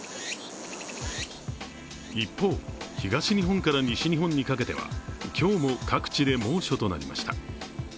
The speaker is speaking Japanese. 一方、東日本から西日本にかけては今日も各地で猛暑となりました。